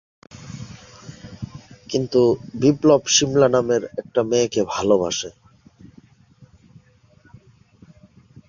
কিন্তু বিপ্লব সিমলা নামের এক মেয়েকে ভালোবাসে।